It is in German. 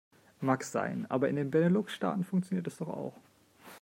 Mag sein, aber in den Benelux-Staaten funktioniert es doch auch.